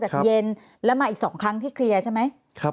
เย็นแล้วมาอีก๒ครั้งที่เคลียร์ใช่ไหม